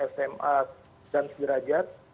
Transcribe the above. sma dan sederajat